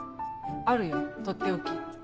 あるよとっておき。